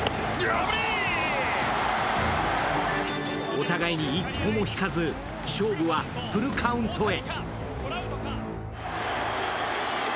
お互いに一歩も引かず勝負はフルカウントへ。